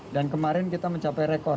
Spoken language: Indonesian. dan kemarin kita mencapai rekor